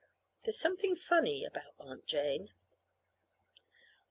There's something funny about Aunt Jane.